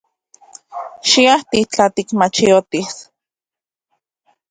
Xiajti — tla tikmachotis.